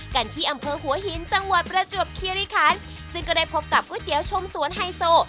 กันที่อำเภอหัวหินจังหวัดประจวบคิริคันซึ่งก็ได้พบกับก๋วยเตี๋ยวชมสวนไฮโซ